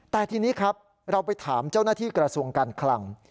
แต่ทีนี้ครับเราไปถามเจ้าหน้าที่กระทรวงการคลัง